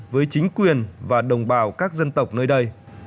với chính quyền và đồng bào các dân tộc nơi đây